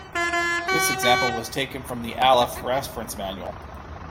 This example was taken from the Alef reference manual.